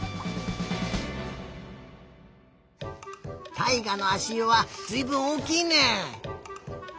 たいがのあしゆはずいぶんおおきいね。